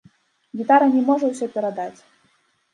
Гітара не можа ўсё перадаць.